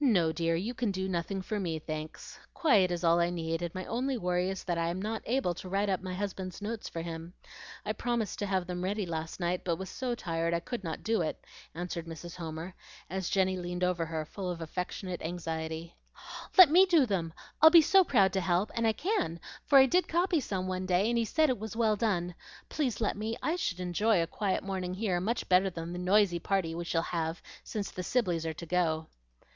"No, dear, you can do nothing for me, thanks. Quiet is all I need, and my only worry is that I am not able to write up my husband's notes for him. I promised to have them ready last night, but was so tired I could not do it," answered Mrs. Homer, as Jenny leaned over her full of affectionate anxiety. "Let me do them! I'd be so proud to help; and I can, for I did copy some one day, and he said it was well done. Please let me; I should enjoy a quiet morning here much better than the noisy party we shall have, since the Sibleys are to go."